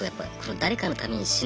誰かのために死ぬ？